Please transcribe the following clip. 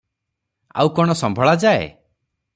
ଆଉ କଣ ସମ୍ଭଳା ଯାଏ?